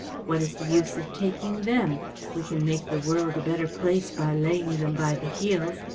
What is the use of taking them ? We can make the world a better place by laying them by the heels.